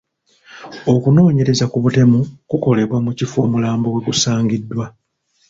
Okunoonyeraza ku butemu kukolebwa mu kifo omulambo wegusangiddwa.